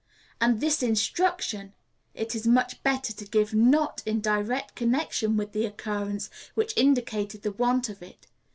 And this instruction it is much better to give not in direct connection with the occurrence which indicated the want of it.